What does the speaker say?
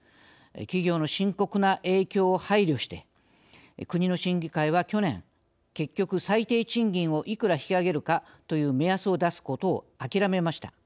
企業の深刻な影響を配慮して国の審議会は去年結局最低賃金をいくら引き上げるかという目安を出すことをあきらめました。